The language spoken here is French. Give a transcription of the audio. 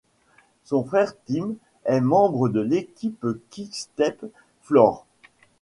Son frère Tim est membre de l'équipe Quick-Step Floors.